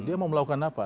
dia mau melakukan apa